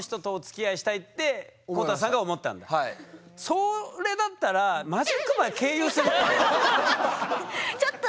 それだったらマジックバー経由するってね。